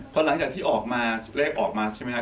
พอหลังจากที่ออกมาเลขออกมาใช่ไหมครับ